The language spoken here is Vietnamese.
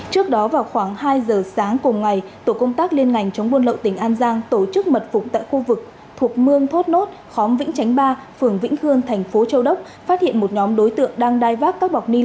trước đó vào khoảng hai giờ sáng cùng ngày tổ công tác liên ngành chống buôn lậu tỉnh an giang tổ chức mật phục tại khu vực thuộc mương thốt nốt khóm vĩnh chánh ba phường vĩnh hương thành phố châu đốc phát hiện một nhóm đối tượng đang đai vác các bọc ni